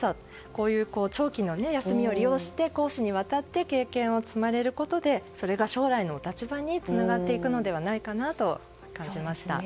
こういう長期の休みを利用して公私にわたって経験を積まれることでそれが将来のお立場につながっていくのではないかと感じました。